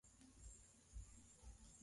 Kucha zimekatwa